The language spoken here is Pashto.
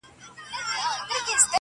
پاس توتكۍ راپسي مه ږغـوه.